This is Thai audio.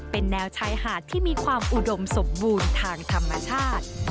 เป็นแนวชายหาดที่มีความอุดมสมบูรณ์ทางธรรมชาติ